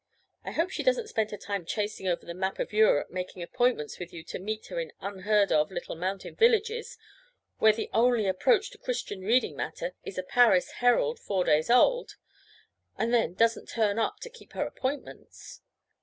I hope she doesn't spend her time chasing over the map of Europe making appointments with you to meet her in unheard of little mountain villages where the only approach to Christian reading matter is a Paris Herald four days old, and then doesn't turn up to keep her appointments?'